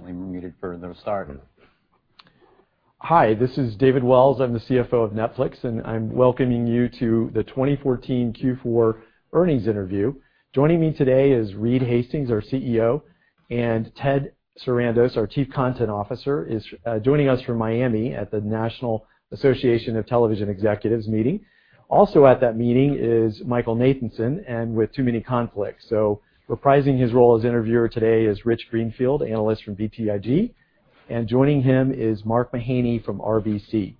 Only muted for the start. Hi, this is David Wells. I'm the CFO of Netflix, and I'm welcoming you to the 2014 Q4 earnings interview. Joining me today is Reed Hastings, our CEO, and Ted Sarandos, our Chief Content Officer, is joining us from Miami at the National Association of Television Executives meeting. Also at that meeting is Michael Nathanson, with too many conflicts. Reprising his role as interviewer today is Rich Greenfield, analyst from BTIG, and joining him is Mark Mahaney from RBC.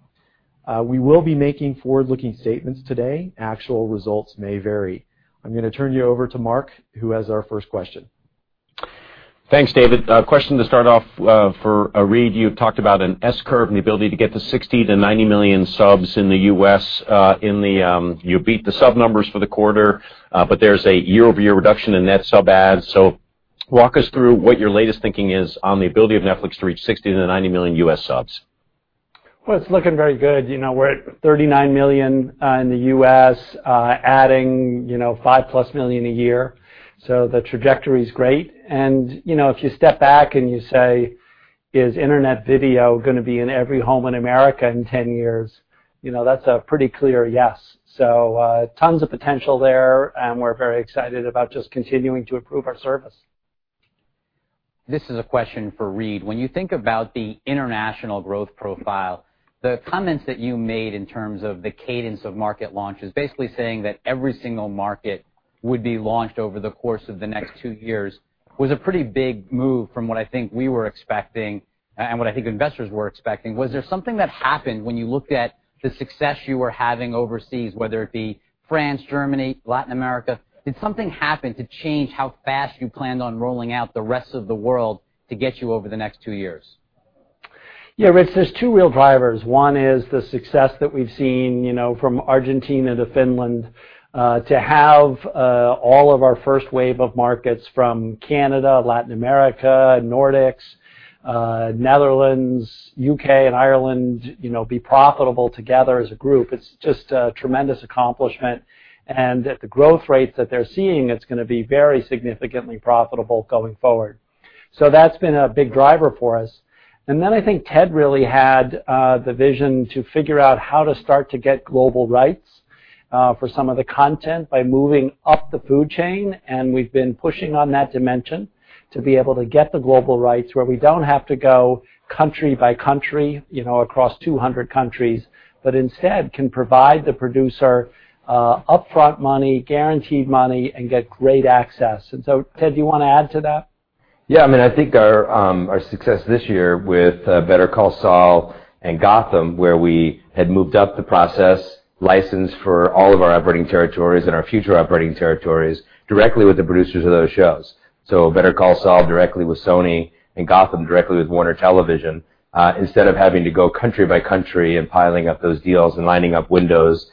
We will be making forward-looking statements today. Actual results may vary. I'm going to turn you over to Mark, who has our first question. Thanks, David. A question to start off for Reed. You had talked about an S-curve and the ability to get to 60 million to 90 million subs in the U.S. You beat the sub numbers for the quarter, but there's a year-over-year reduction in net sub adds. Walk us through what your latest thinking is on the ability of Netflix to reach 60 million to 90 million U.S. subs. Well, it's looking very good. We're at 39 million in the U.S., adding five-plus million a year. The trajectory's great. If you step back and you say, "Is internet video going to be in every home in America in 10 years?" That's a pretty clear yes. Tons of potential there, we're very excited about just continuing to improve our service. This is a question for Reed. When you think about the international growth profile, the comments that you made in terms of the cadence of market launches, basically saying that every single market would be launched over the course of the next two years, was a pretty big move from what I think we were expecting and what I think investors were expecting. Was there something that happened when you looked at the success you were having overseas, whether it be France, Germany, Latin America? Did something happen to change how fast you planned on rolling out the rest of the world to get you over the next two years? Rich, there's two real drivers. One is the success that we've seen from Argentina to Finland. To have all of our first wave of markets from Canada, Latin America, Nordics, Netherlands, U.K., and Ireland be profitable together as a group, it's just a tremendous accomplishment. At the growth rates that they're seeing, it's going to be very significantly profitable going forward. That's been a big driver for us. Then I think Ted really had the vision to figure out how to start to get global rights for some of the content by moving up the food chain, and we've been pushing on that dimension to be able to get the global rights where we don't have to go country by country across 200 countries, instead can provide the producer upfront money, guaranteed money, and get great access. Ted, do you want to add to that? I think our success this year with "Better Call Saul" and "Gotham," where we had moved up the process, licensed for all of our operating territories and our future operating territories directly with the producers of those shows. "Better Call Saul" directly with Sony and "Gotham" directly with Warner Bros. Television. Instead of having to go country by country and piling up those deals and lining up windows,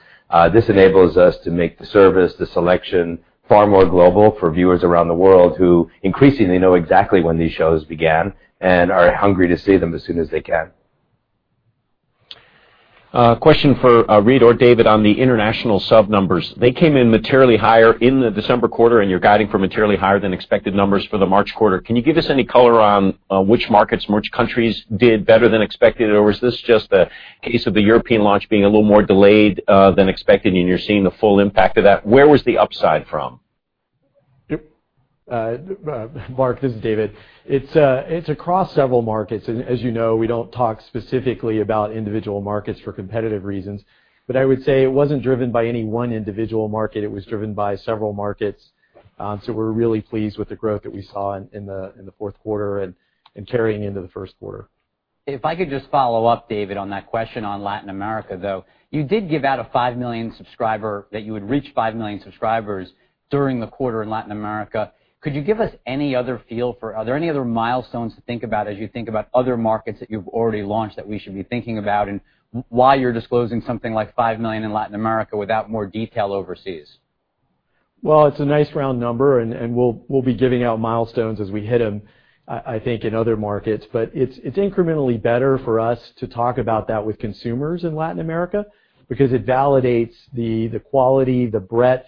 this enables us to make the service, the selection, far more global for viewers around the world who increasingly know exactly when these shows began and are hungry to see them as soon as they can. A question for Reed or David on the international sub numbers. They came in materially higher in the December quarter, and you're guiding for materially higher than expected numbers for the March quarter. Can you give us any color on which markets, which countries did better than expected, or was this just a case of the European launch being a little more delayed than expected and you're seeing the full impact of that? Where was the upside from? Mark, this is David. It's across several markets, and as you know, we don't talk specifically about individual markets for competitive reasons. I would say it wasn't driven by any one individual market. It was driven by several markets. We're really pleased with the growth that we saw in the fourth quarter and carrying into the first quarter. If I could just follow up, David, on that question on Latin America, though. You did give out a 5 million subscriber, that you would reach 5 million subscribers during the quarter in Latin America. Could you give us any other feel for, are there any other milestones to think about as you think about other markets that you've already launched that we should be thinking about and why you're disclosing something like 5 million in Latin America without more detail overseas? It's a nice round number, and we'll be giving out milestones as we hit them, I think, in other markets. It's incrementally better for us to talk about that with consumers in Latin America because it validates the quality, the breadth,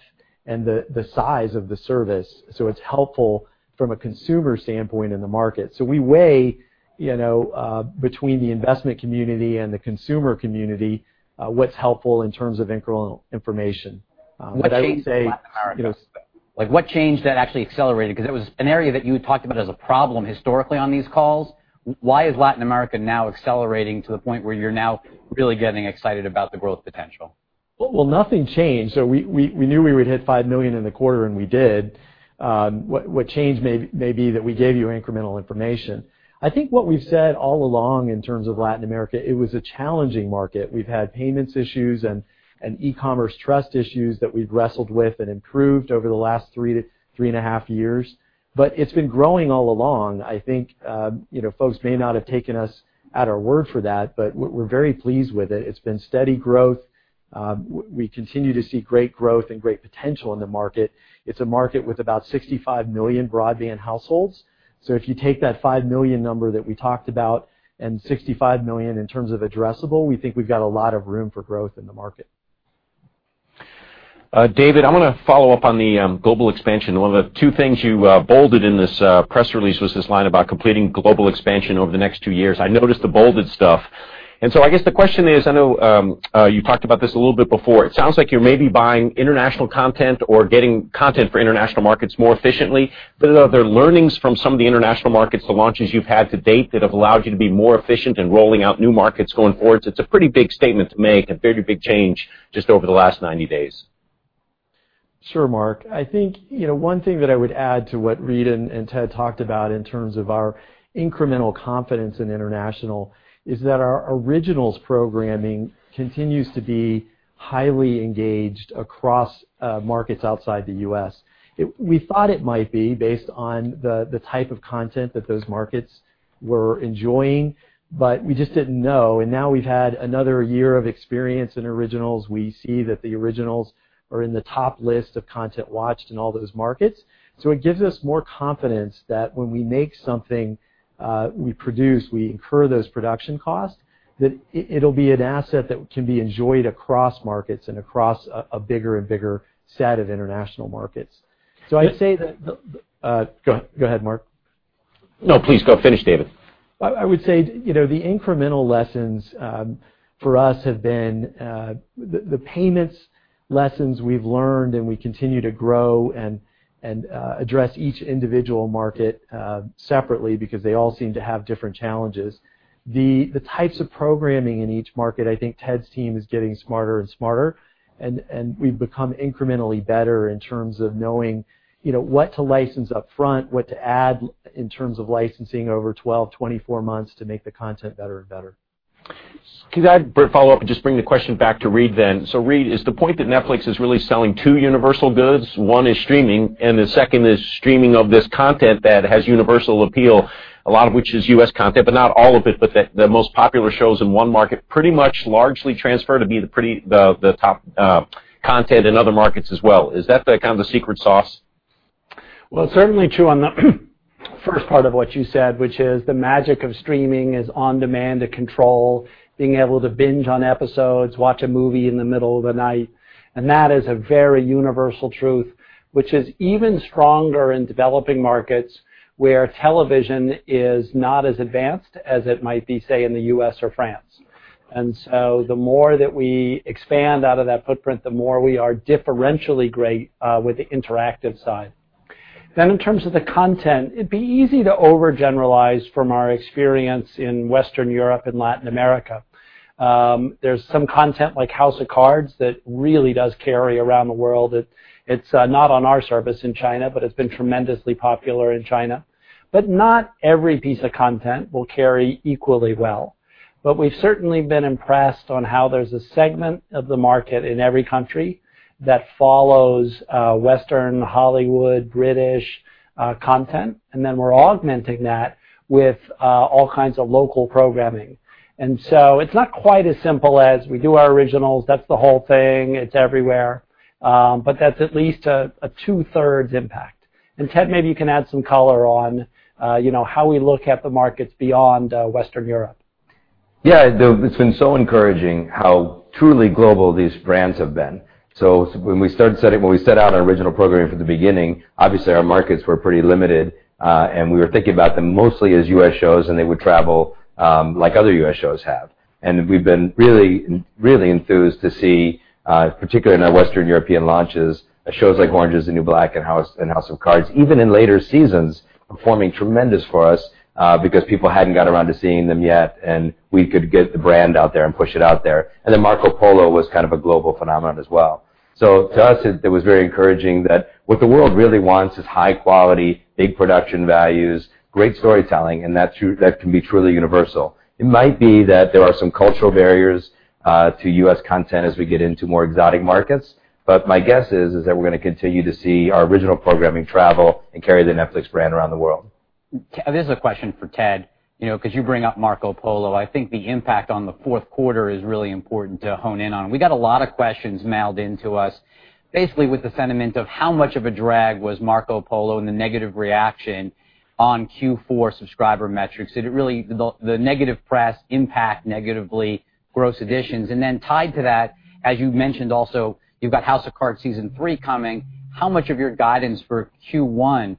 and the size of the service. It's helpful from a consumer standpoint in the market. We weigh between the investment community and the consumer community, what's helpful in terms of incremental information. What changed in Latin America? What changed that actually accelerated? It was an area that you had talked about as a problem historically on these calls. Why is Latin America now accelerating to the point where you're now really getting excited about the growth potential? Well, nothing changed. We knew we would hit 5 million in the quarter, and we did. What changed may be that we gave you incremental information. I think what we've said all along in terms of Latin America, it was a challenging market. We've had payments issues and e-commerce trust issues that we've wrestled with and improved over the last three and a half years. It's been growing all along. I think folks may not have taken us at our word for that, but we're very pleased with it. It's been steady growth. We continue to see great growth and great potential in the market. It's a market with about 65 million broadband households. If you take that 5 million number that we talked about and 65 million in terms of addressable, we think we've got a lot of room for growth in the market. David, I'm going to follow up on the global expansion. One of the two things you bolded in this press release was this line about completing global expansion over the next two years. I noticed the bolded stuff. I guess the question is, I know you talked about this a little bit before, it sounds like you're maybe buying international content or getting content for international markets more efficiently. Are there learnings from some of the international markets, the launches you've had to date, that have allowed you to be more efficient in rolling out new markets going forward? It's a pretty big statement to make, a very big change just over the last 90 days. Sure, Mark. I think one thing that I would add to what Reed and Ted talked about in terms of our incremental confidence in international is that our originals programming continues to be highly engaged across markets outside the U.S. We thought it might be based on the type of content that those markets were enjoying, but we just didn't know. We've had another year of experience in originals. We see that the originals are in the top list of content watched in all those markets. It gives us more confidence that when we make something, we produce, we incur those production costs, that it'll be an asset that can be enjoyed across markets and across a bigger and bigger set of international markets. I'd say that-- go ahead, Mark. No, please go finish, David. I would say, the incremental lessons for us have been the payments lessons we've learned. We continue to grow and address each individual market separately because they all seem to have different challenges. The types of programming in each market, I think Ted's team is getting smarter and smarter, and we've become incrementally better in terms of knowing what to license upfront, what to add in terms of licensing over 12, 24 months to make the content better and better. Could I follow up and just bring the question back to Reed, then? Reed, is the point that Netflix is really selling two universal goods? One is streaming, and the second is streaming of this content that has universal appeal, a lot of which is U.S. content. Not all of it, the most popular shows in one market pretty much largely transfer to be the top content in other markets as well. Is that the kind of the secret sauce? Well, it's certainly true on the first part of what you said, which is the magic of streaming is on-demand, the control, being able to binge on episodes, watch a movie in the middle of the night, and that is a very universal truth, which is even stronger in developing markets where television is not as advanced as it might be, say, in the U.S. or France. The more that we expand out of that footprint, the more we are differentially great with the interactive side. Then in terms of the content, it'd be easy to overgeneralize from our experience in Western Europe and Latin America. There's some content like "House of Cards" that really does carry around the world. It's not on our service in China, it's been tremendously popular in China. Not every piece of content will carry equally well. We've certainly been impressed on how there's a segment of the market in every country that follows Western, Hollywood, British content, and then we're augmenting that with all kinds of local programming. It's not quite as simple as we do our originals, that's the whole thing, it's everywhere, but that's at least a two-thirds impact. Ted, maybe you can add some color on how we look at the markets beyond Western Europe. Yeah. It's been so encouraging how truly global these brands have been. When we set out our original programming from the beginning, obviously our markets were pretty limited. We were thinking about them mostly as U.S. shows and they would travel like other U.S. shows have. We've been really enthused to see, particularly in our Western European launches, shows like "Orange Is the New Black" and "House of Cards," even in later seasons, performing tremendous for us because people hadn't got around to seeing them yet, and we could get the brand out there and push it out there. "Marco Polo" was kind of a global phenomenon as well. To us, it was very encouraging that what the world really wants is high quality, big production values, great storytelling, and that can be truly universal. It might be that there are some cultural barriers to U.S. content as we get into more exotic markets, my guess is that we're going to continue to see our original programming travel and carry the Netflix brand around the world. This is a question for Ted, because you bring up "Marco Polo," I think the impact on the fourth quarter is really important to hone in on. We got a lot of questions mailed into us, basically with the sentiment of how much of a drag was "Marco Polo" and the negative reaction on Q4 subscriber metrics? Did the negative press impact negatively gross additions? Tied to that, as you've mentioned also, you've got "House of Cards" Season 3 coming. How much of your guidance for Q1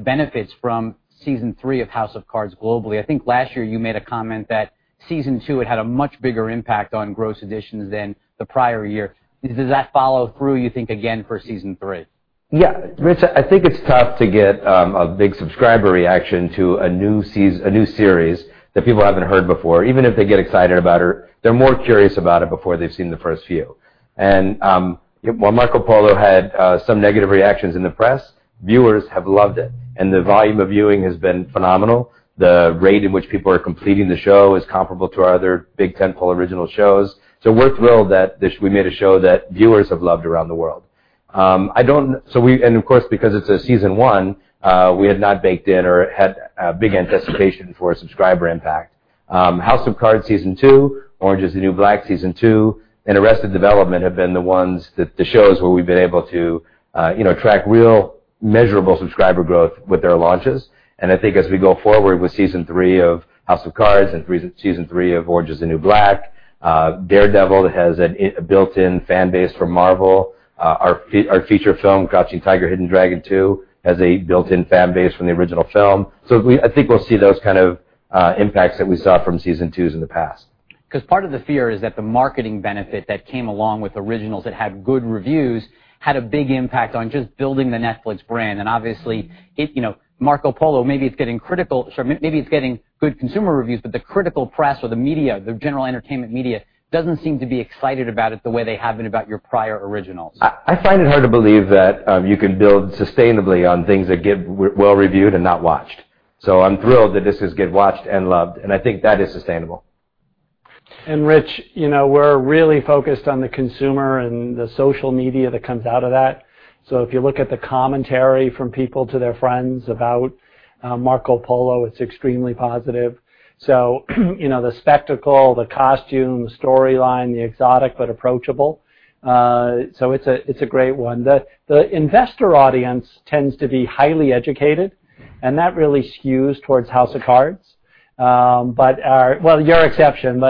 benefits from Season 3 of "House of Cards" globally? I think last year you made a comment that Season 2 had had a much bigger impact on gross additions than the prior year. Does that follow through, you think, again for Season 3? Yeah. Rich, I think it's tough to get a big subscriber reaction to a new series that people haven't heard before. Even if they get excited about it, they're more curious about it before they've seen the first few. While "Marco Polo" had some negative reactions in the press, viewers have loved it, and the volume of viewing has been phenomenal. The rate in which people are completing the show is comparable to our other big tentpole original shows. We're thrilled that we made a show that viewers have loved around the world. Of course, because it's a Season 1, we had not baked in or had a big anticipation for a subscriber impact. "House of Cards" Season 2, "Orange Is the New Black" Season 2, and "Arrested Development" have been the shows where we've been able to track real measurable subscriber growth with their launches. I think as we go forward with Season 3 of "House of Cards" and Season 3 of "Orange Is the New Black." "Daredevil" has a built-in fan base from Marvel. Our feature film, "Crouching Tiger, Hidden Dragon 2," has a built-in fan base from the original film. I think we'll see those kind of impacts that we saw from Season 2s in the past. Part of the fear is that the marketing benefit that came along with originals that had good reviews had a big impact on just building the Netflix brand. Obviously, "Marco Polo," maybe it's getting good consumer reviews, but the critical press or the media, the general entertainment media, doesn't seem to be excited about it the way they have been about your prior originals. I find it hard to believe that you can build sustainably on things that get well-reviewed and not watched. I'm thrilled that this has get watched and loved, I think that is sustainable. Rich, we're really focused on the consumer and the social media that comes out of that. If you look at the commentary from people to their friends about "Marco Polo," it's extremely positive. The spectacle, the costume, the storyline, the exotic, but approachable. It's a great one. The investor audience tends to be highly educated, and that really skews towards "House of Cards." You're exception.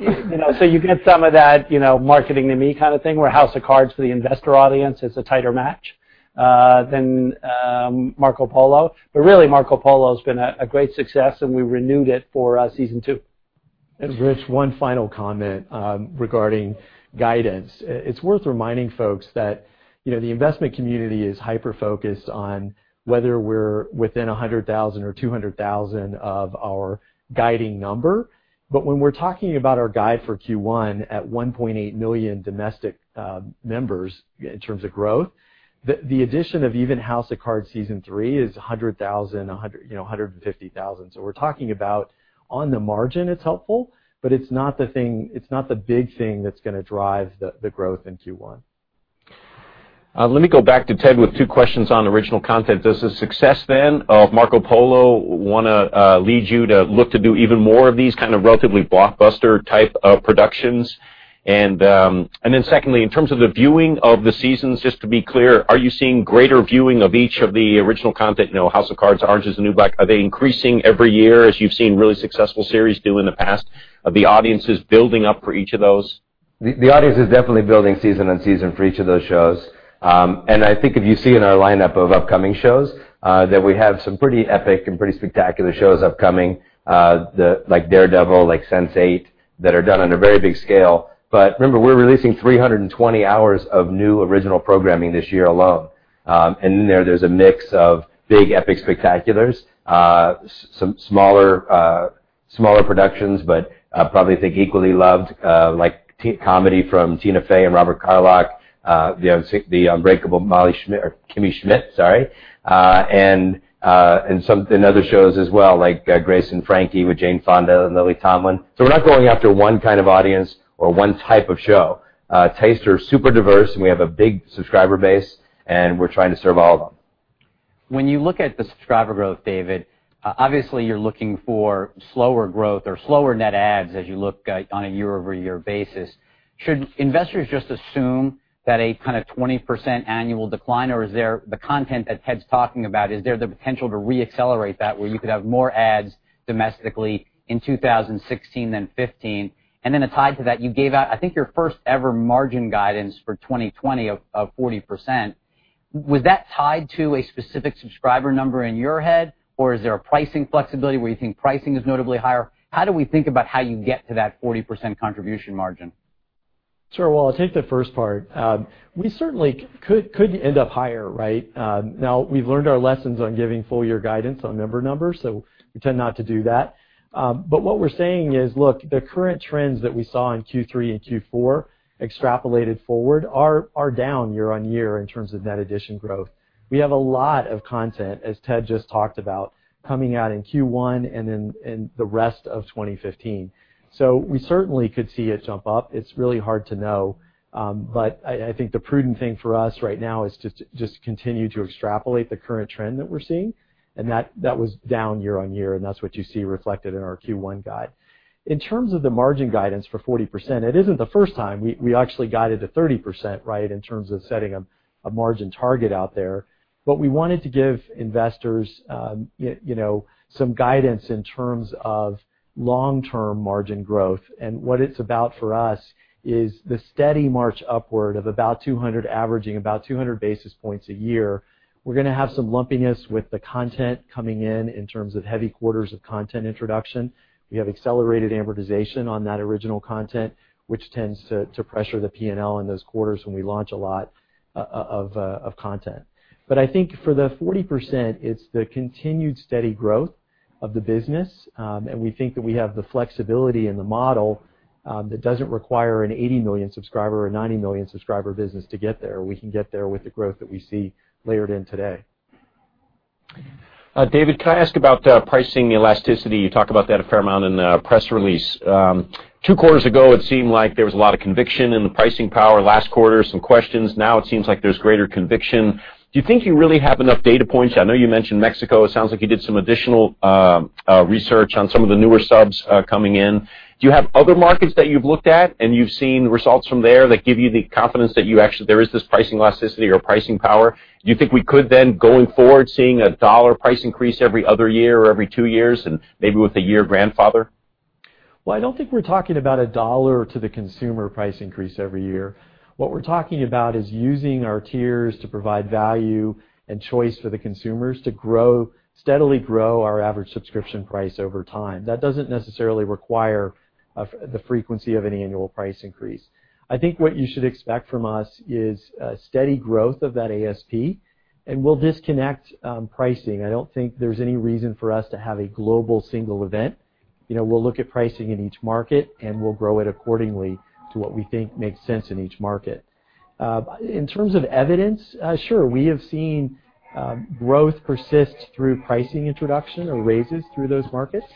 You get some of that marketing to me kind of thing, where "House of Cards" for the investor audience is a tighter match than "Marco Polo." Really, "Marco Polo" has been a great success, and we renewed it for a season two. Rich, one final comment regarding guidance. It's worth reminding folks that the investment community is hyper-focused on whether we're within 100,000 or 200,000 of our guiding number. When we're talking about our guide for Q1 at 1.8 million domestic members in terms of growth, the addition of even "House of Cards" season three is 100,000, 150,000. We're talking about on the margin, it's helpful, but it's not the big thing that's going to drive the growth in Q1. Let me go back to Ted with two questions on original content. Does the success then of "Marco Polo" want to lead you to look to do even more of these kind of relatively blockbuster type of productions? Secondly, in terms of the viewing of the seasons, just to be clear, are you seeing greater viewing of each of the original content? "House of Cards," "Orange Is the New Black," are they increasing every year as you've seen really successful series do in the past? Are the audiences building up for each of those? The audience is definitely building season on season for each of those shows. I think if you see in our lineup of upcoming shows, that we have some pretty epic and pretty spectacular shows upcoming, like "Daredevil," like "Sense8," that are done on a very big scale. Remember, we're releasing 320 hours of new original programming this year alone. In there's a mix of big epic spectaculars, some smaller productions, but probably think equally loved, like comedy from Tina Fey and Robert Carlock, "The Unbreakable Kimmy Schmidt," and other shows as well, like "Grace and Frankie" with Jane Fonda and Lily Tomlin. We're not going after one kind of audience or one type of show. Tastes are super diverse, and we have a big subscriber base, and we're trying to serve all of them. When you look at the subscriber growth, David, obviously you're looking for slower growth or slower net adds as you look on a year-over-year basis. Should investors just assume that a kind of 20% annual decline, or the content that Ted's talking about, is there the potential to re-accelerate that, where you could have more adds domestically in 2016 than 2015? Tied to that, you gave out, I think, your first-ever margin guidance for 2020 of 40%. Was that tied to a specific subscriber number in your head? Or is there a pricing flexibility where you think pricing is notably higher? How do we think about how you get to that 40% contribution margin? Sure. Well, I'll take the first part. We certainly could end up higher. Now, we've learned our lessons on giving full-year guidance on member numbers, so we tend not to do that. What we're saying is, look, the current trends that we saw in Q3 and Q4 extrapolated forward are down year-on-year in terms of net addition growth. We have a lot of content, as Ted just talked about, coming out in Q1 and the rest of 2015. We certainly could see it jump up. It's really hard to know. I think the prudent thing for us right now is to just continue to extrapolate the current trend that we're seeing, and that was down year-on-year, and that's what you see reflected in our Q1 guide. In terms of the margin guidance for 40%, it isn't the first time. We actually guided to 30% in terms of setting a margin target out there. We wanted to give investors some guidance in terms of long-term margin growth. What it's about for us is the steady march upward of averaging about 200 basis points a year. We're going to have some lumpiness with the content coming in terms of heavy quarters of content introduction. We have accelerated amortization on that original content, which tends to pressure the P&L in those quarters when we launch a lot of content. I think for the 40%, it's the continued steady growth of the business, and we think that we have the flexibility in the model that doesn't require an 80-million subscriber or 90-million subscriber business to get there. We can get there with the growth that we see layered in today. David, can I ask about pricing elasticity? You talked about that a fair amount in the press release. Two quarters ago, it seemed like there was a lot of conviction in the pricing power. Last quarter, some questions. Now it seems like there's greater conviction. Do you think you really have enough data points? I know you mentioned Mexico. It sounds like you did some additional research on some of the newer subs coming in. Do you have other markets that you've looked at and you've seen results from there that give you the confidence that there is this pricing elasticity or pricing power? Do you think we could then, going forward, seeing a $1 price increase every other year or every 2 years and maybe with a year grandfather? I don't think we're talking about a $1 to the consumer price increase every year. What we're talking about is using our tiers to provide value and choice for the consumers to steadily grow our average subscription price over time. That doesn't necessarily require the frequency of an annual price increase. I think what you should expect from us is a steady growth of that ASP, and we'll disconnect pricing. I don't think there's any reason for us to have a global single event. We'll look at pricing in each market, and we'll grow it accordingly to what we think makes sense in each market. In terms of evidence, sure, we have seen growth persist through pricing introduction or raises through those markets.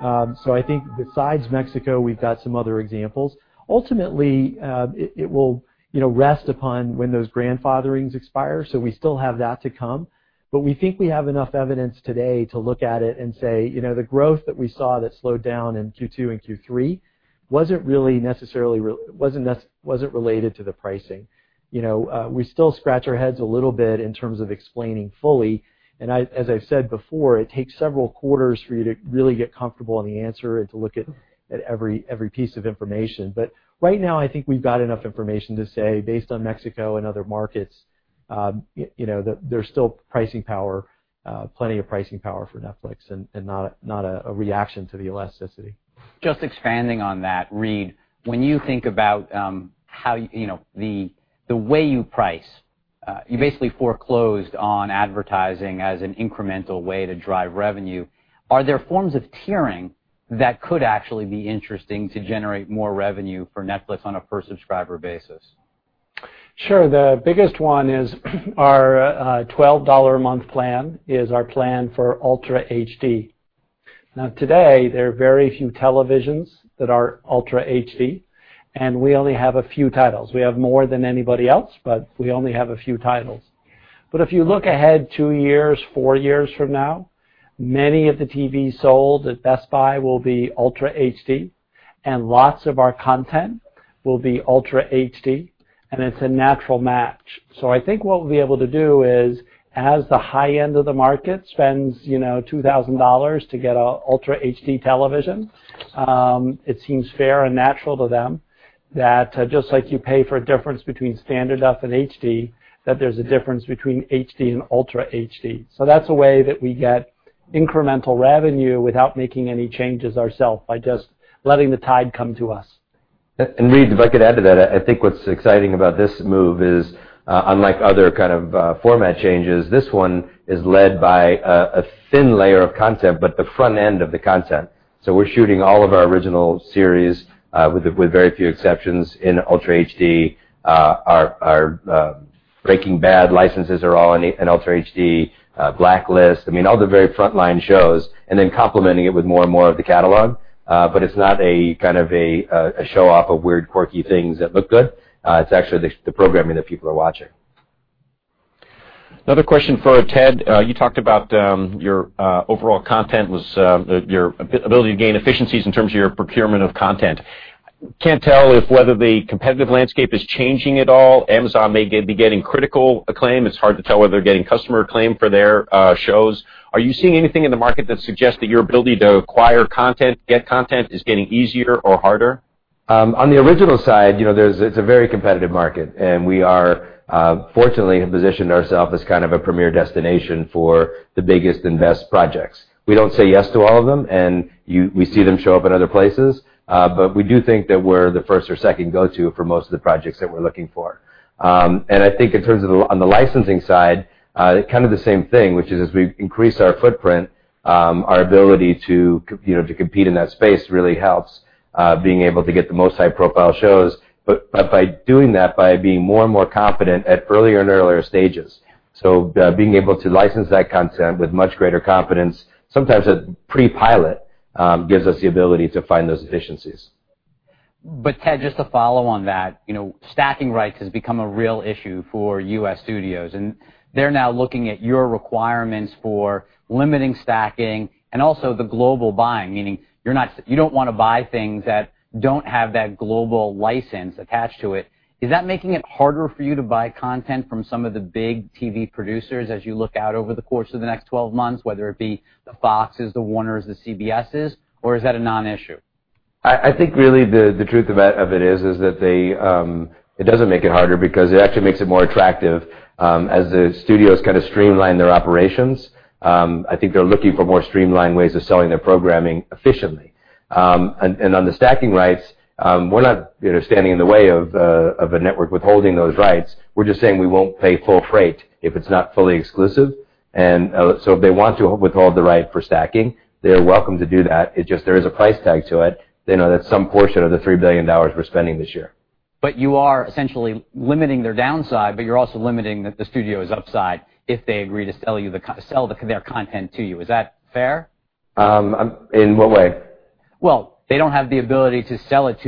I think besides Mexico, we've got some other examples. Ultimately, it will rest upon when those grandfatherings expire, so we still have that to come. We think we have enough evidence today to look at it and say, the growth that we saw that slowed down in Q2 and Q3 wasn't related to the pricing. We still scratch our heads a little bit in terms of explaining fully, and as I've said before, it takes several quarters for you to really get comfortable in the answer and to look at every piece of information. Right now, I think we've got enough information to say, based on Mexico and other markets, that there's still plenty of pricing power for Netflix and not a reaction to the elasticity. Just expanding on that, Reed, when you think about the way you price, you basically foreclosed on advertising as an incremental way to drive revenue. Are there forms of tiering that could actually be interesting to generate more revenue for Netflix on a per-subscriber basis? Sure. The biggest one is our $12 a month plan is our plan for Ultra HD. Today, there are very few televisions that are Ultra HD, and we only have a few titles. We have more than anybody else, but we only have a few titles. If you look ahead two years, four years from now, many of the TVs sold at Best Buy will be Ultra HD, and lots of our content will be Ultra HD, and it's a natural match. I think what we'll be able to do is, as the high end of the market spends $2,000 to get an Ultra HD television, it seems fair and natural to them that just like you pay for a difference between standard def and HD, that there's a difference between HD and Ultra HD. That's a way that we get incremental revenue without making any changes ourselves, by just letting the tide come to us. Reed, if I could add to that, I think what's exciting about this move is, unlike other kind of format changes, this one is led by a thin layer of content, but the front end of the content. We're shooting all of our original series, with very few exceptions, in Ultra HD. Our "Breaking Bad" licenses are all in Ultra HD, "The Blacklist," all the very frontline shows, and then complementing it with more and more of the catalog. It's not a kind of a show-off of weird, quirky things that look good. It's actually the programming that people are watching. Another question for Ted. You talked about your ability to gain efficiencies in terms of your procurement of content. Can't tell whether the competitive landscape is changing at all. Amazon may be getting critical acclaim. It's hard to tell whether they're getting customer acclaim for their shows. Are you seeing anything in the market that suggests that your ability to acquire content, get content, is getting easier or harder? On the original side, it's a very competitive market, we fortunately have positioned ourselves as kind of a premier destination for the biggest and best projects. We don't say yes to all of them, and we see them show up in other places. We do think that we're the first or second go-to for most of the projects that we're looking for. I think on the licensing side, kind of the same thing, which is as we increase our footprint, our ability to compete in that space really helps being able to get the most high-profile shows, but by doing that, by being more and more confident at earlier and earlier stages. Being able to license that content with much greater confidence, sometimes at pre-pilot, gives us the ability to find those efficiencies. Ted, just to follow on that, stacking rights has become a real issue for U.S. studios, and they're now looking at your requirements for limiting stacking and also the global buying, meaning you don't want to buy things that don't have that global license attached to it. Is that making it harder for you to buy content from some of the big TV producers as you look out over the course of the next 12 months, whether it be the Foxes, the Warners, the CBSes, or is that a non-issue? I think really the truth of it is that it doesn't make it harder because it actually makes it more attractive. As the studios kind of streamline their operations, I think they're looking for more streamlined ways of selling their programming efficiently. On the stacking rights, we're not standing in the way of a network withholding those rights. We're just saying we won't pay full freight if it's not fully exclusive. So if they want to withhold the right for stacking, they're welcome to do that. It's just there is a price tag to it. That's some portion of the $3 billion we're spending this year. You are essentially limiting their downside, but you're also limiting the studio's upside if they agree to sell their content to you. Is that fair? In what way? Well, they don't have the ability to sell it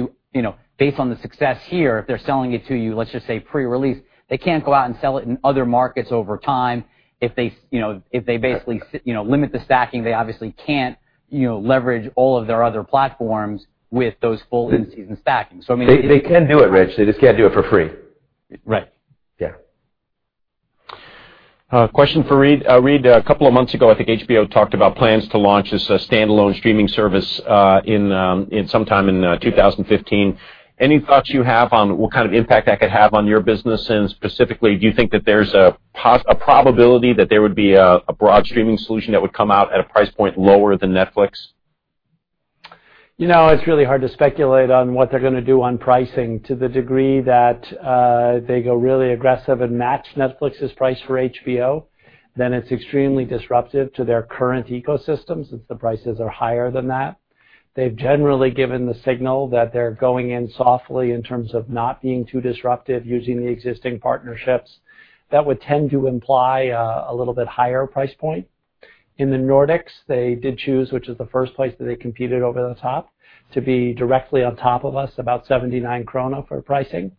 based on the success here, if they're selling it to you, let's just say pre-release, they can't go out and sell it in other markets over time. If they basically limit the stacking, they obviously can't leverage all of their other platforms with those full in-season stackings. I mean They can do it, Rich. They just can't do it for free. Right. Yeah. A question for Reed. Reed, a couple of months ago, I think HBO talked about plans to launch this standalone streaming service sometime in 2015. Any thoughts you have on what kind of impact that could have on your business, and specifically, do you think that there's a probability that there would be a broad streaming solution that would come out at a price point lower than Netflix? It's really hard to speculate on what they're going to do on pricing to the degree that they go really aggressive and match Netflix's price for HBO. It's extremely disruptive to their current ecosystems if the prices are higher than that. They've generally given the signal that they're going in softly in terms of not being too disruptive using the existing partnerships. That would tend to imply a little bit higher price point. In the Nordics, they did choose, which is the first place that they competed over-the-top, to be directly on top of us, about 79 krona for pricing.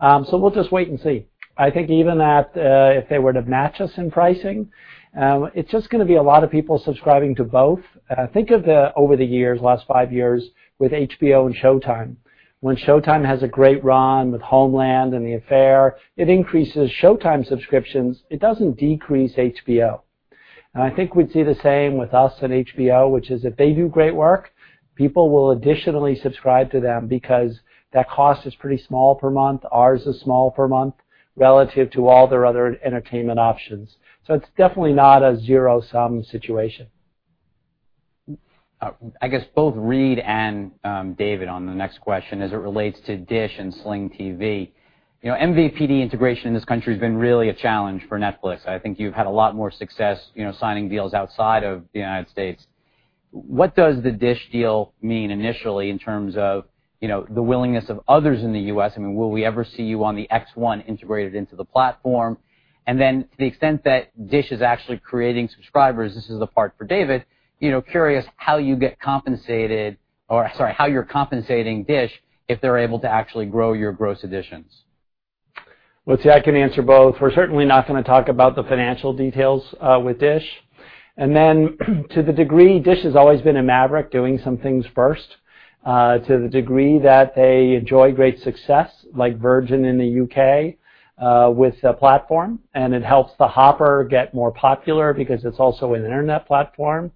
We'll just wait and see. I think even if they were to match us in pricing, it's just going to be a lot of people subscribing to both. Think of over the years, last five years, with HBO and Showtime. When Showtime has a great run with "Homeland" and "The Affair," it increases Showtime subscriptions. It doesn't decrease HBO. I think we'd see the same with us and HBO, which is if they do great work, people will additionally subscribe to them because that cost is pretty small per month. Ours is small per month relative to all their other entertainment options. It's definitely not a zero-sum situation. I guess both Reed and David on the next question as it relates to DISH and Sling TV. MVPD integration in this country has been really a challenge for Netflix. I think you've had a lot more success signing deals outside of the United States. What does the DISH deal mean initially in terms of the willingness of others in the U.S.? I mean, will we ever see you on the X1 integrated into the platform? Then to the extent that DISH is actually creating subscribers, this is the part for David, curious how you're compensating DISH if they're able to actually grow your gross additions. Well, see, I can answer both. We're certainly not going to talk about the financial details with DISH. To the degree, DISH has always been a maverick, doing some things first. To the degree that they enjoy great success, like Virgin in the U.K., with a platform, and it helps the Hopper get more popular because it's also an internet platform.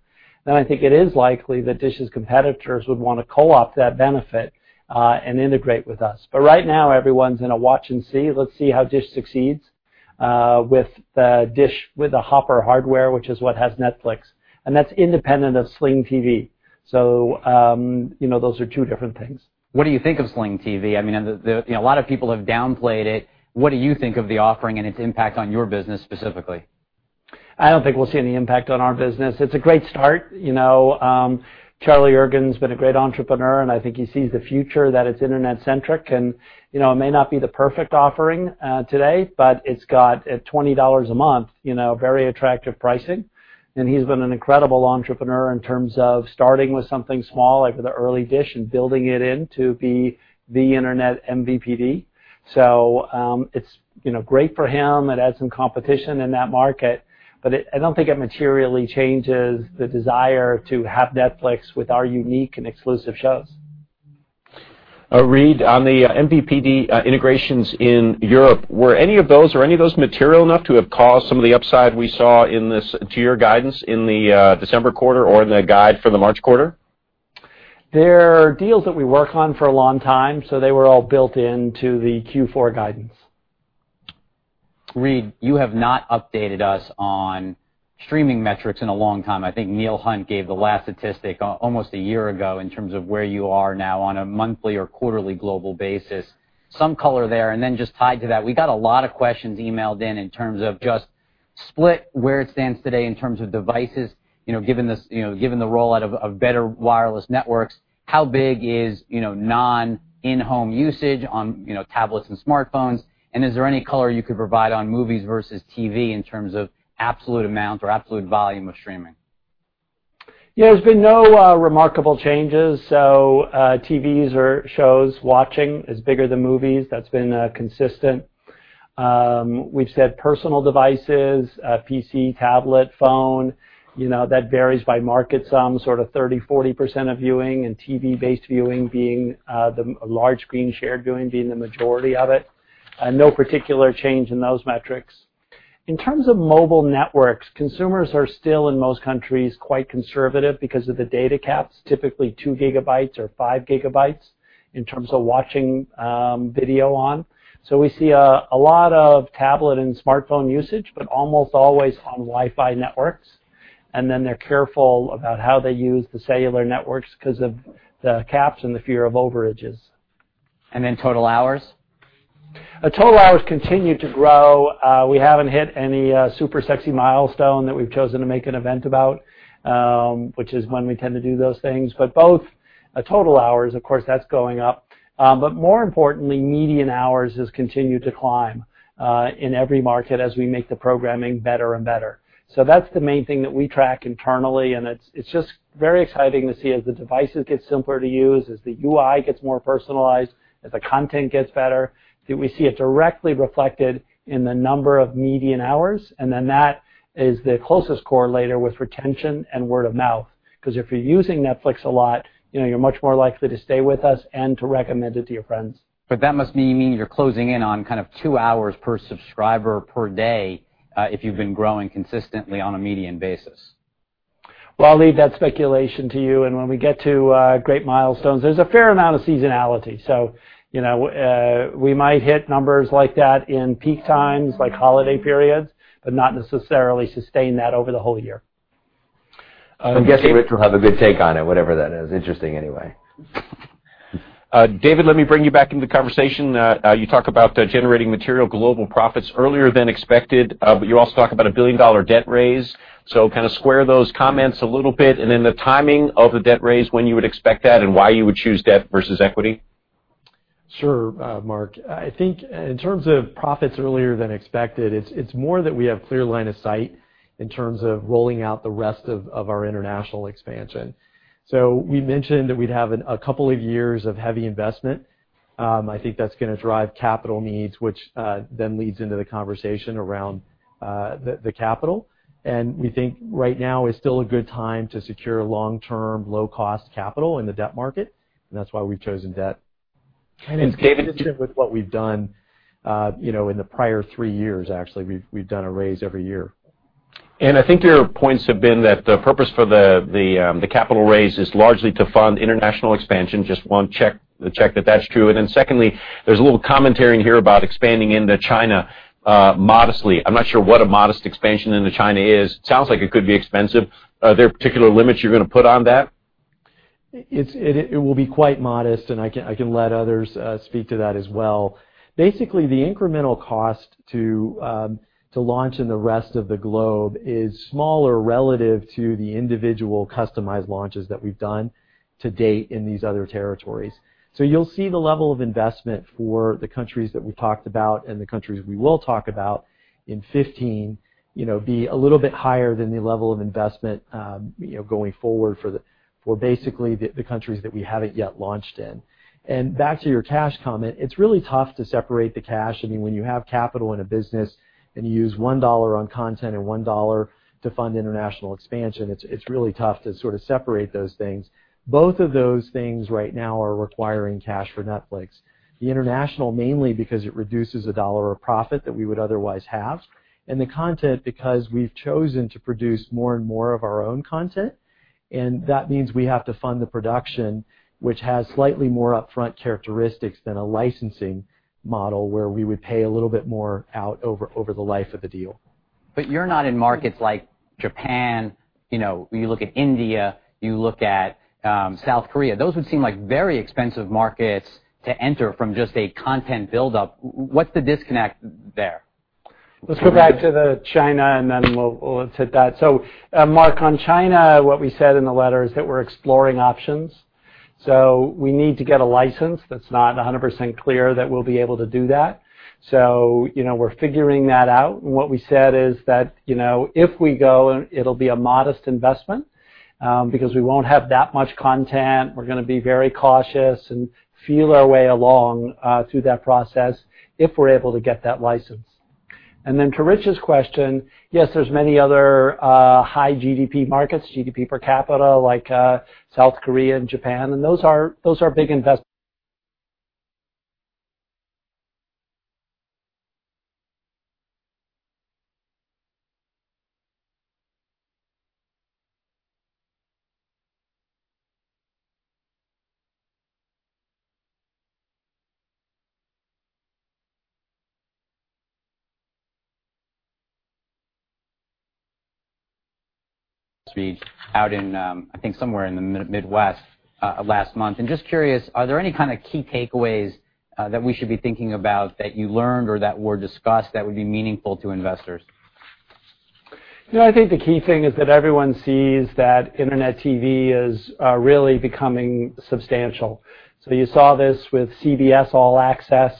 I think it is likely that DISH's competitors would want to co-opt that benefit and integrate with us. Right now, everyone's in a watch and see. Let's see how DISH succeeds with the Hopper hardware, which is what has Netflix. That's independent of Sling TV. Those are two different things. What do you think of Sling TV? A lot of people have downplayed it. What do you think of the offering and its impact on your business specifically? I don't think we'll see any impact on our business. It's a great start. Charlie Ergen's been a great entrepreneur. I think he sees the future that it's internet-centric. It may not be the perfect offering today, but it's got, at $20 a month, very attractive pricing. He's been an incredible entrepreneur in terms of starting with something small like the early DISH and building it in to be the internet MVPD. It's great for him. It adds some competition in that market. I don't think it materially changes the desire to have Netflix with our unique and exclusive shows. Reed, on the MVPD integrations in Europe, were any of those material enough to have caused some of the upside we saw in this tier guidance in the December quarter or in the guide for the March quarter? They're deals that we work on for a long time. They were all built into the Q4 guidance. Reed, you have not updated us on streaming metrics in a long time. I think Neil Hunt gave the last statistic almost a year ago in terms of where you are now on a monthly or quarterly global basis. Some color there, and then just tied to that, we got a lot of questions emailed in in terms of just split where it stands today in terms of devices. Given the rollout of better wireless networks, how big is non-in-home usage on tablets and smartphones, and is there any color you could provide on movies versus TV in terms of absolute amount or absolute volume of streaming? Yeah, there's been no remarkable changes. TVs or shows watching is bigger than movies. That's been consistent. We've said personal devices, PC, tablet, phone, that varies by market, some sort of 30%-40% of viewing, and TV-based viewing being the large screen shared viewing being the majority of it. No particular change in those metrics. In terms of mobile networks, consumers are still, in most countries, quite conservative because of the data caps, typically two gigabytes or five gigabytes in terms of watching video on. We see a lot of tablet and smartphone usage, but almost always on Wi-Fi networks. They're careful about how they use the cellular networks because of the caps and the fear of overages. Total hours? Total hours continue to grow. We haven't hit any super sexy milestone that we've chosen to make an event about, which is when we tend to do those things. Both total hours, of course, that's going up. More importantly, median hours has continued to climb in every market as we make the programming better and better. That's the main thing that we track internally, and it's just very exciting to see as the devices get simpler to use, as the UI gets more personalized, as the content gets better, that we see it directly reflected in the number of median hours, and that is the closest correlator with retention and word of mouth, because if you're using Netflix a lot, you're much more likely to stay with us and to recommend it to your friends. That must mean you're closing in on two hours per subscriber per day, if you've been growing consistently on a median basis. Well, I'll leave that speculation to you, and when we get to great milestones. There's a fair amount of seasonality, so we might hit numbers like that in peak times, like holiday periods, but not necessarily sustain that over the whole year. I'm guessing Rich will have a good take on it, whatever that is. Interesting anyway. David, let me bring you back into the conversation. You talk about generating material global profits earlier than expected, you also talk about a billion-dollar debt raise. Square those comments a little bit, and then the timing of the debt raise, when you would expect that, and why you would choose debt versus equity. Sure. Mark, I think in terms of profits earlier than expected, it's more that we have clear line of sight in terms of rolling out the rest of our international expansion. We mentioned that we'd have a couple of years of heavy investment. I think that's going to drive capital needs, which then leads into the conversation around the capital. We think right now is still a good time to secure long-term, low-cost capital in the debt market, and that's why we've chosen debt. David It's consistent with what we've done in the prior three years, actually. We've done a raise every year. I think your points have been that the purpose for the capital raise is largely to fund international expansion. Just want the check that that's true. Secondly, there's a little commentary in here about expanding into China modestly. I'm not sure what a modest expansion into China is. Sounds like it could be expensive. Are there particular limits you're going to put on that? It will be quite modest, and I can let others speak to that as well. Basically, the incremental cost to launch in the rest of the globe is smaller relative to the individual customized launches that we've done to date in these other territories. You'll see the level of investment for the countries that we've talked about and the countries we will talk about in 2015 be a little bit higher than the level of investment going forward for basically the countries that we haven't yet launched in. Back to your cash comment, it's really tough to separate the cash. When you have capital in a business and you use $1 on content and $1 to fund international expansion, it's really tough to sort of separate those things. Both of those things right now are requiring cash for Netflix. The international mainly because it reduces $1 of profit that we would otherwise have. The content because we've chosen to produce more and more of our own content. That means we have to fund the production, which has slightly more upfront characteristics than a licensing model where we would pay a little bit more out over the life of the deal. You're not in markets like Japan. You look at India, you look at South Korea. Those would seem like very expensive markets to enter from just a content buildup. What's the disconnect there? Let's go back to the China. Then we'll hit that. Mark, on China, what we said in the letter is that we're exploring options. We need to get a license. That's not 100% clear that we'll be able to do that. We're figuring that out. What we said is that if we go, it'll be a modest investment because we won't have that much content. We're going to be very cautious and feel our way along through that process if we're able to get that license. To Rich's question, yes, there's many other high GDP markets, GDP per capita, like South Korea and Japan. Those are big. Out in, I think somewhere in the Midwest last month. Just curious, are there any kind of key takeaways that we should be thinking about that you learned or that were discussed that would be meaningful to investors? I think the key thing is that everyone sees that internet TV is really becoming substantial. You saw this with CBS All Access,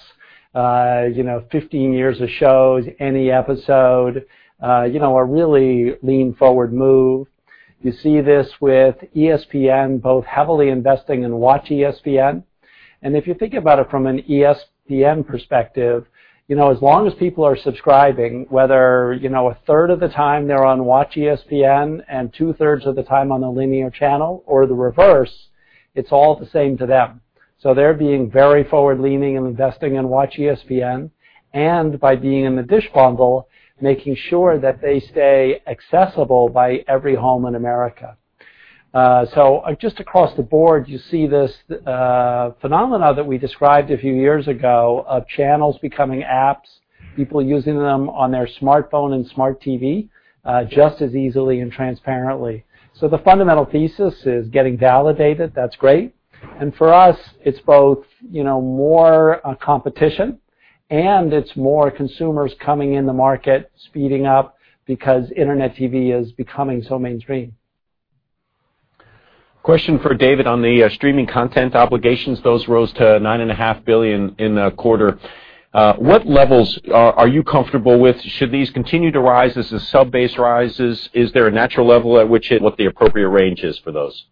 15 years of shows, any episode, a really lean-forward move. You see this with ESPN both heavily investing in WatchESPN. If you think about it from an ESPN perspective, as long as people are subscribing, whether a third of the time they're on WatchESPN and two-thirds of the time on the linear channel or the reverse, it's all the same to them. They're being very forward-leaning and investing in WatchESPN, and by being in the DISH bundle, making sure that they stay accessible by every home in America. Just across the board, you see this phenomena that we described a few years ago of channels becoming apps, people using them on their smartphone and smart TV just as easily and transparently. The fundamental thesis is getting validated. That's great. For us, it's both more competition and it's more consumers coming in the market speeding up because internet TV is becoming so mainstream. Question for David on the streaming content obligations. Those rose to $9.5 billion in the quarter. What levels are you comfortable with? Should these continue to rise as the sub-base rises? Is there a natural level, what the appropriate range is for those?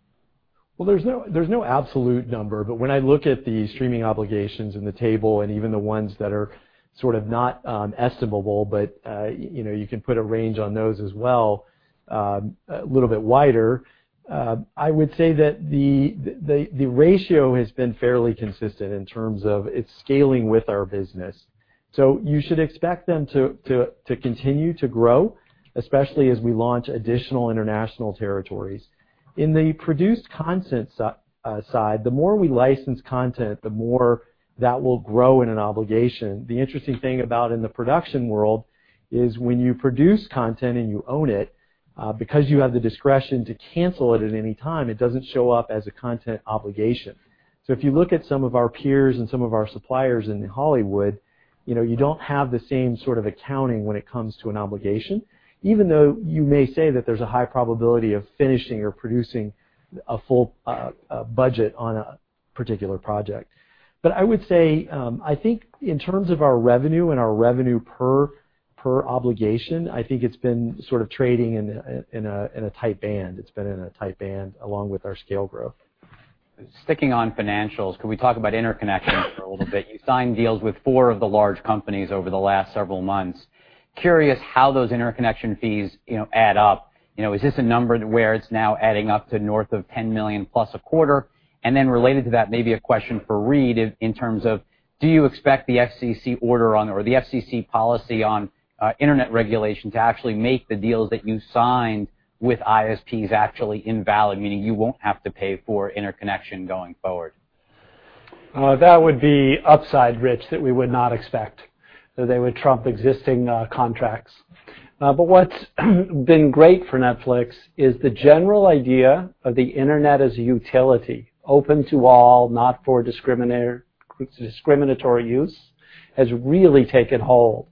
There's no absolute number, but when I look at the streaming obligations in the table, and even the ones that are sort of not estimable, but you can put a range on those as well, a little bit wider. I would say that the ratio has been fairly consistent in terms of its scaling with our business. You should expect them to continue to grow, especially as we launch additional international territories. In the produced content side, the more we license content, the more that will grow in an obligation. The interesting thing about in the production world is when you produce content and you own it, because you have the discretion to cancel it at any time, it doesn't show up as a content obligation. If you look at some of our peers and some of our suppliers in Hollywood, you don't have the same sort of accounting when it comes to an obligation, even though you may say that there's a high probability of finishing or producing a full budget on a particular project. I would say, I think in terms of our revenue and our revenue per obligation, I think it's been sort of trading in a tight band. It's been in a tight band along with our scale growth. Sticking on financials, can we talk about interconnection for a little bit? You signed deals with four of the large companies over the last several months. Curious how those interconnection fees add up. Is this a number where it's now adding up to north of $10 million-plus a quarter? Related to that, maybe a question for Reed in terms of, do you expect the FCC policy on internet regulation to actually make the deals that you signed with ISPs actually invalid, meaning you won't have to pay for interconnection going forward? That would be upside, Rich, that we would not expect that they would trump existing contracts. What's been great for Netflix is the general idea of the internet as a utility, open to all, not for discriminatory use, has really taken hold.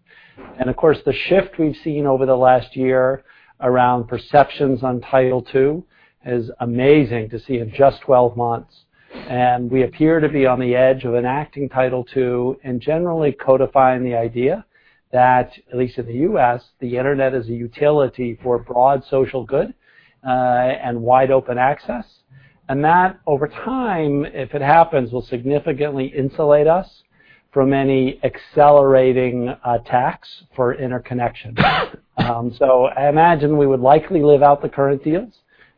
Of course, the shift we've seen over the last year around perceptions on Title II is amazing to see in just 12 months. We appear to be on the edge of an acting Title II and generally codifying the idea that, at least in the U.S., the internet is a utility for broad social good and wide-open access. That, over time, if it happens, will significantly insulate us from any accelerating attacks for interconnection. I imagine we would likely live out the current deals,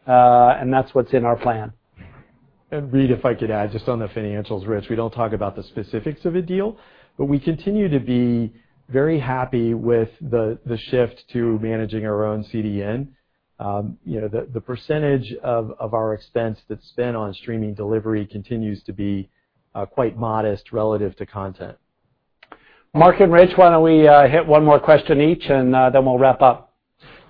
and that's what's in our plan. Reed, if I could add, just on the financials, Rich, we don't talk about the specifics of a deal, but we continue to be very happy with the shift to managing our own CDN. The percentage of our expense that's spent on streaming delivery continues to be quite modest relative to content. Mark and Rich, why don't we hit one more question each, and then we'll wrap up.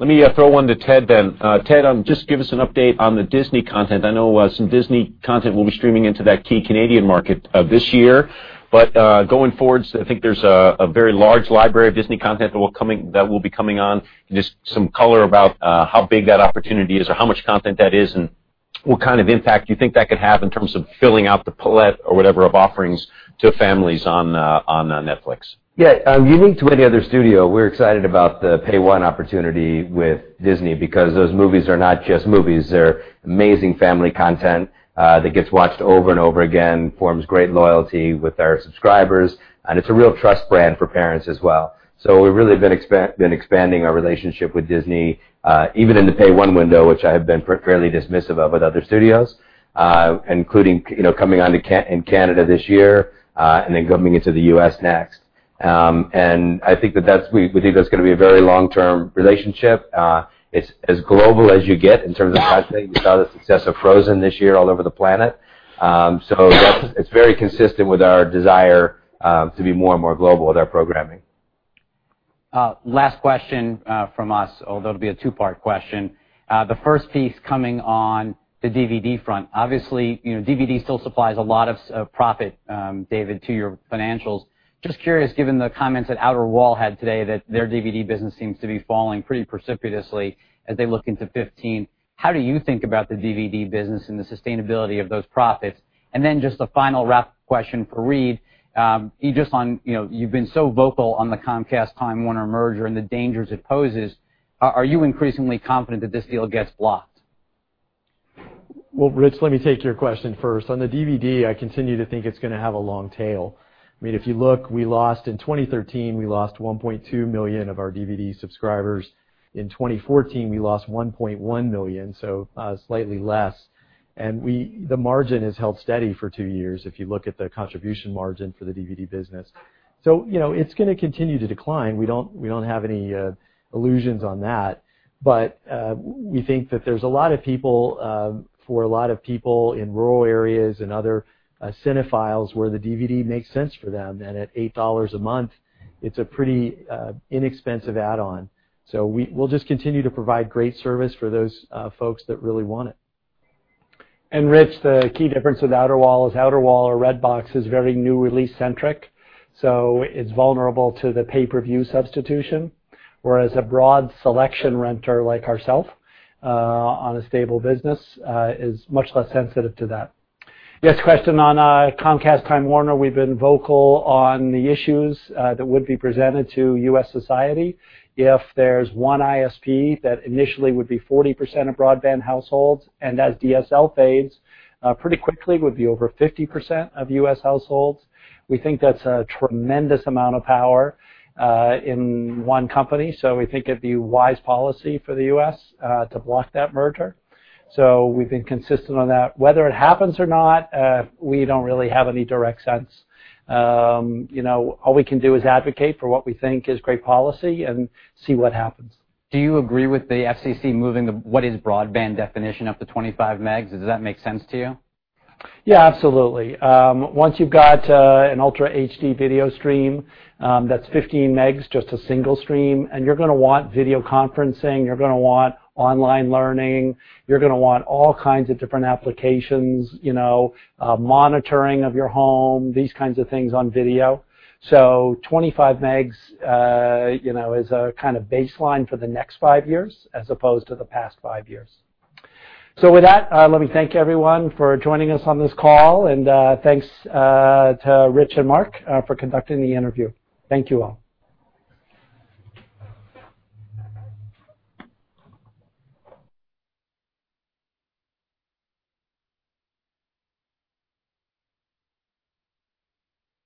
Let me throw one to Ted then. Ted, just give us an update on the Disney content. I know some Disney content will be streaming into that key Canadian market this year. Going forward, I think there's a very large library of Disney content that will be coming on. Just some color about how big that opportunity is or how much content that is and what kind of impact you think that could have in terms of filling out the palette or whatever of offerings to families on Netflix. Yeah. Unique to any other studio, we're excited about the Pay 1 opportunity with Disney because those movies are not just movies. They're amazing family content that gets watched over and over again, forms great loyalty with our subscribers, and it's a real trust brand for parents as well. We've really been expanding our relationship with Disney, even in the Pay 1 window, which I have been fairly dismissive of with other studios, including coming on in Canada this year and then coming into the U.S. next. I think that's going to be a very long-term relationship. It's as global as you get in terms of content. We saw the success of "Frozen" this year all over the planet. It's very consistent with our desire to be more and more global with our programming. Last question from us, although it'll be a two-part question. The first piece coming on the DVD front. Obviously, DVD still supplies a lot of profit, David, to your financials. Just curious, given the comments that Outerwall had today, that their DVD business seems to be falling pretty precipitously as they look into 2015. How do you think about the DVD business and the sustainability of those profits? Then just a final wrap question for Reed. You've been so vocal on the Comcast-Time Warner merger and the dangers it poses. Are you increasingly confident that this deal gets blocked? Well, Rich, let me take your question first. On the DVD, I continue to think it's going to have a long tail. If you look, in 2013, we lost 1.2 million of our DVD subscribers. In 2014, we lost 1.1 million, so slightly less. The margin has held steady for two years if you look at the contribution margin for the DVD business. It's going to continue to decline. We don't have any illusions on that. We think that there's a lot of people for a lot of people in rural areas and other cinephiles where the DVD makes sense for them. At $8 a month, it's a pretty inexpensive add-on. We'll just continue to provide great service for those folks that really want it. Rich, the key difference with Outerwall is Outerwall or Redbox is very new-release centric, so it's vulnerable to the pay-per-view substitution, whereas a broad selection renter like ourself on a stable business is much less sensitive to that. Yes, question on Comcast-Time Warner. We've been vocal on the issues that would be presented to U.S. society if there's one ISP that initially would be 40% of broadband households, and as DSL fades pretty quickly, would be over 50% of U.S. households. We think that's a tremendous amount of power in one company, so we think it'd be wise policy for the U.S. to block that merger. We've been consistent on that. Whether it happens or not, we don't really have any direct sense. All we can do is advocate for what we think is great policy and see what happens. Do you agree with the FCC moving what is broadband definition up to 25 Mbps? Does that make sense to you? Absolutely. Once you've got an Ultra HD video stream, that's 15 Mbps, just a single stream. You're going to want video conferencing, you're going to want online learning, you're going to want all kinds of different applications, monitoring of your home, these kinds of things on video. 25 Mbps is a kind of baseline for the next five years as opposed to the past five years. With that, let me thank everyone for joining us on this call. Thanks to Rich and Mark for conducting the interview. Thank you all.